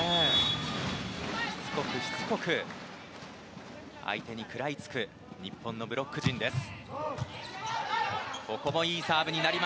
しつこく、しつこく相手に食らいつく日本のブロック陣です。